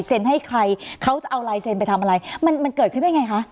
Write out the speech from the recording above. เซนให้ใครเขาจะเอาลายเซนไปทำอะไรมันเกิดขึ้นได้อย่างไรคะ